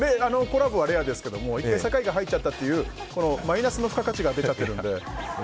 コラボはレアですけど１回酒井が履いちゃったマイナスの付加価値が出ちゃっているので。